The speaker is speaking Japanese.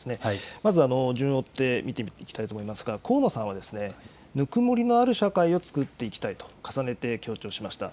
まず、順を追って見ていきたいと思いますが、河野さんは、ぬくもりのある社会をつくっていきたいと、重ねて強調しました。